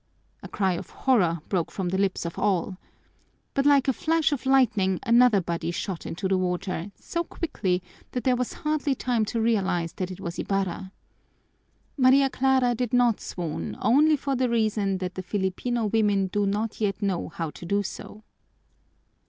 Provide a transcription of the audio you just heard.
A cry of horror broke from the lips of all. But like a flash of lightning another body shot into the water so quickly that there was hardly time to realize that it was Ibarra. Maria Clara did not swoon only for the reason that the Filipino women do not yet know how to do so.